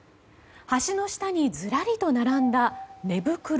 橋の下でずらりと並んだ寝袋。